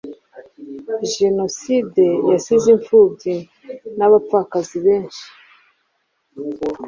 Jenoside yasize imfubyi n’abapfakazi benshi.